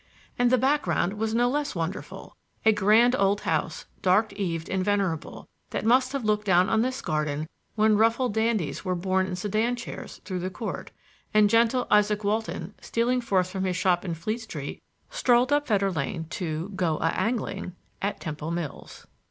And the background was no less wonderful; a grand old house, dark eaved and venerable, that must have looked down on this garden when ruffled dandies were borne in sedan chairs through the court, and gentle Izaak Walton, stealing forth from his shop in Fleet Street, strolled up Fetter Lane to "go a angling" at Temple Mills.